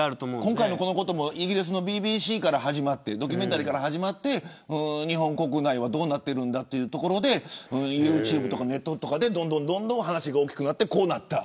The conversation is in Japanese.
今回のこともイギリスのＢＢＣのドキュメンタリーから始まって日本国内はどうなっているんだというところでユーチューブとかネットとかでどんどん話が大きくなっていった。